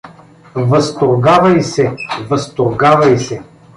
— Възторгавай се, възторгавай се!